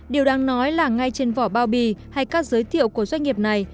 điều đáng nói là ngay trên vỏ bao bì hay các giới thiệu của doanh nghiệp này